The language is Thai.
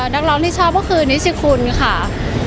นักร้องที่ชอบก็คือนิชิคุณค่ะ